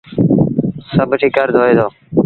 سڀ ٺڪر دوئي دو۔